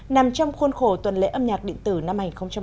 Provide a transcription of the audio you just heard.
nằm trong khuôn khổ tuần lễ âm nhạc định tử năm hai nghìn một mươi tám